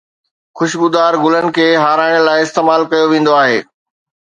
خوشبودار گلن کي هارائڻ لاءِ استعمال ڪيو ويندو آهي